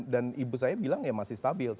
dan ibu saya bilang ya masih stabil